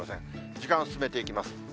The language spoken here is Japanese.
時間を進めていきます。